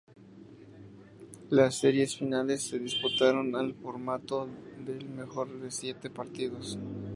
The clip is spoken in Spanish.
Las series finales se disputaron al formato del mejor de siete partidos.